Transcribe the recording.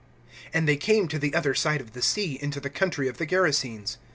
V. AND they came to the other side of the sea, into the country of the Gerasenes.